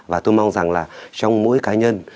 và tôi mong rằng là trong mỗi cá nhân